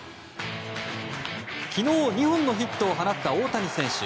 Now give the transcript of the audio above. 昨日、２本のヒットを放った大谷選手。